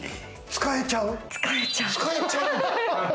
使えちゃうの？